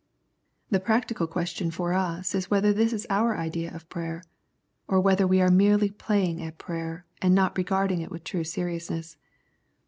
" The practical question for us is whether this is our idea of prayer, or whether we are merely playing at prayer, and not regarding it with true seriousness.